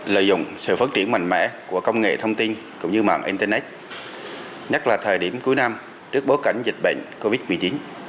lợi dụng sự phát triển mạnh mẽ của công nghệ thông tin cũng như mạng internet nhất là thời điểm cuối năm trước bối cảnh dịch bệnh covid một mươi chín